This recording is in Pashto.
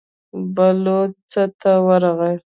بلوڅ څا ته ورغی.